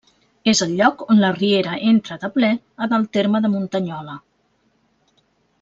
És el lloc on la riera entra de ple en el terme de Muntanyola.